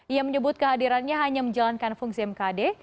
ia menyebut kehadirannya hanya menjalankan fungsi mkd